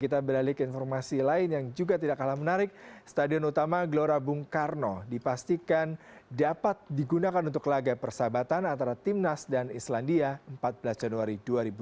kita beralih ke informasi lain yang juga tidak kalah menarik stadion utama gelora bung karno dipastikan dapat digunakan untuk laga persahabatan antara timnas dan islandia empat belas januari dua ribu dua puluh